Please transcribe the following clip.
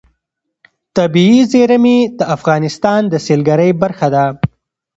طبیعي زیرمې د افغانستان د سیلګرۍ برخه ده.